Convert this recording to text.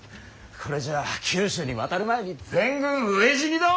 これじゃあ九州に渡る前に全軍飢え死にだ！